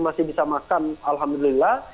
masih bisa makan alhamdulillah